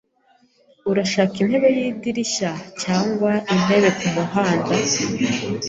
Urashaka intebe yidirishya cyangwa intebe kumuhanda?